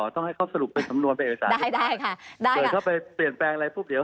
ต้องให้เค้าสรุปไปสำนวนไปเอกสารถ้าเขาไปเปลี่ยนปรั่งอะไร